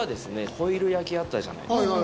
ホイル焼きあったじゃないですか